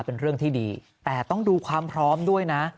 เป็นเรื่องที่ดีแต่ต้องดูความพร้อมด้วยนะ